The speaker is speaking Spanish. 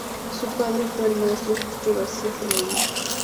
Su padre fue el maestro Justo García Fernández.